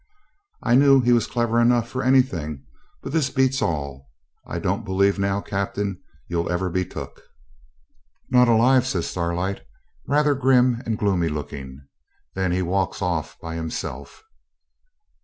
'I knew he was clever enough for anything; but this beats all. I don't believe now, Captain, you'll ever be took.' 'Not alive!' says Starlight, rather grim and gloomy looking; then he walks off by himself.